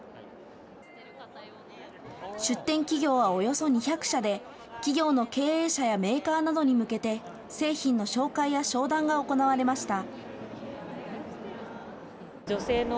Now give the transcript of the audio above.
出展企業はおよそ２００社で企業の経営者やメーカーなどに向けて製品の紹介や商談が行われました。